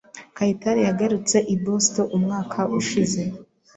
Kayitare yagarutse i Boston umwaka ushize.